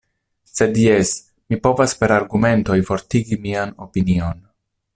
Sed jes, mi povas per argumentoj fortigi mian opinion.